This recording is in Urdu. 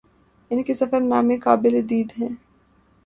ان کے سفر نامے قابل دید ہیں